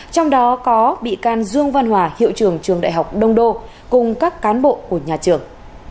trong đó có bị can dương văn hòa hiệu trưởng trường đại học đông đô cùng các cán bộ của nhà trường